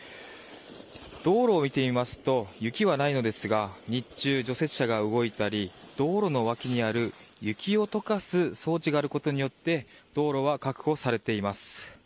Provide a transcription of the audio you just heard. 道路を見てみますと雪はないのですが日中、除雪車が動いたり道路のわきにある雪を解かす装置があることによって道路は確保されています。